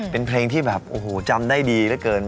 เป็นเพลงที่แบบโอ้โหจำได้ดีเหลือเกิน